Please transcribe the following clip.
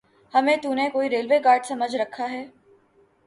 ہمیں تو نے کوئی ریلوے گارڈ سمجھ رکھا ہے؟